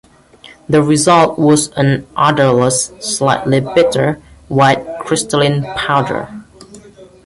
The result was an odorless, slightly bitter, white crystalline powder.